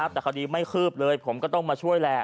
แต่คราวนี้ไม่คืบเลย